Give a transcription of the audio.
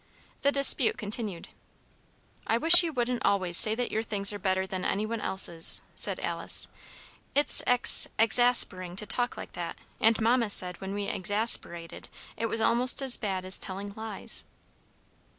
The dispute continued. "I wish you wouldn't always say that your things are better than any one else's," said Alice. "It's ex exaspering to talk like that, and Mamma said when we exasperated it was almost as bad as telling lies."